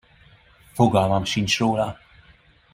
Fogalmam sincs róla.